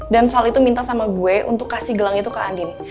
dan sal itu minta sama gue untuk kasih gelang itu ke andin